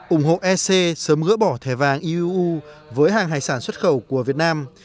ủng hộ ec sớm gỡ bỏ thẻ vàng iuu với hàng hải sản xuất khẩu của việt nam